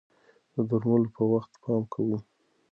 د درملو په وخت پام کوئ.